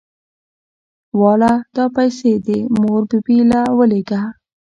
واله دا پيسې دې مور بي بي له ولېږه.